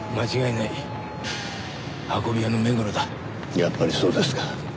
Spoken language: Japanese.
やっぱりそうですか。